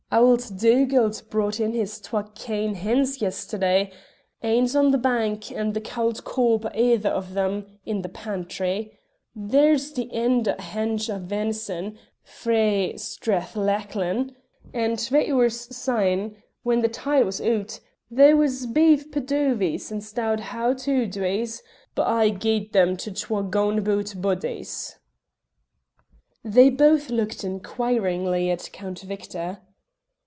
Auld Dugald brought in his twa kain hens yesterday; ane's on the bank and the cauld corp o' the ither o' them's in the pantry. There's the end o' a hench o' venison frae Strathlachlan, and twa oors syne, when the tide was oot, there was beef padovies and stoved how to wdies, but I gied them to twa gaun aboot bodies." They both looked inquiringly at Count Victor.